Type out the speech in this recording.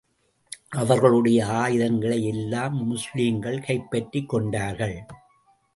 அவர்களுடைய ஆயுதங்களை எல்லாம் முஸ்லிம்கள் கைப்பற்றிக் கொண்டார்கள்.